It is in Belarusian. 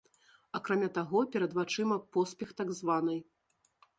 Акрамя таго, перад вачыма поспех так званай.